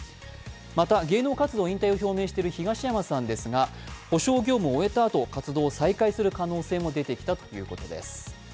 また芸能活動引退を表明している東山さんですが、補償業務を終えたあと、活動を再開する可能性も出てきたということです。